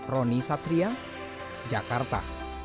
roni satria jakarta